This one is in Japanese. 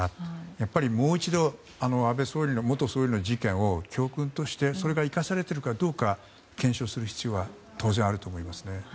やっぱり、もう一度安倍元総理の事件を教訓として生かされているか検証する必要はあると思います。